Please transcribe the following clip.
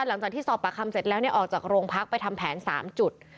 หลังจากที่สอบปากคำเสร็จแล้วออกจากโรงพักไปทำแผน๓จุด